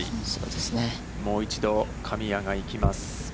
もう一度、神谷が行きます。